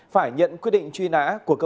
phải nhận quyết định truy nã của tội cướp tài sản